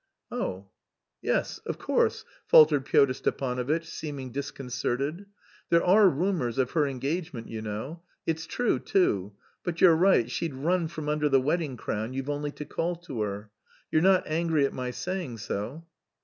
"Oh!... Yes, of course," faltered Pyotr Stepanovitch, seeming disconcerted. "There are rumours of her engagement, you know. It's true, too. But you're right, she'd run from under the wedding crown, you've only to call to her. You're not angry at my saying so?"